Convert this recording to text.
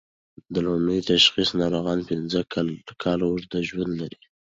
د لومړني تشخیص ناروغان پنځه کاله اوږد ژوند لري.